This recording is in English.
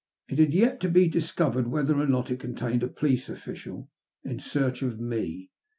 It had yet to be discovered whether or not it contained a police official in search of me.